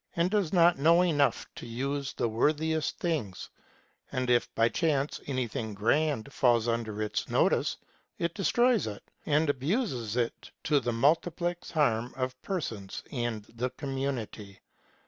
and does not know enough to use the worthiest things ; and if by chance anything grand falls under its notice, it destroys it, and abuses it to the multiplex harm of persons and the com munity.